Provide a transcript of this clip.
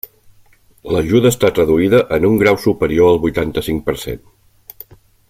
L'ajuda està traduïda en un grau superior al vuitanta-cinc per cent.